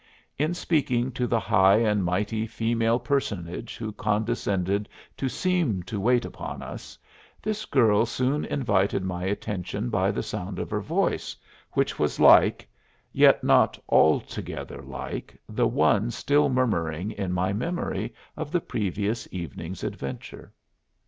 In speaking to the high and mighty female personage who condescended to seem to wait upon us, this girl soon invited my attention by the sound of her voice, which was like, yet not altogether like, the one still murmuring in my memory of the previous evening's adventure.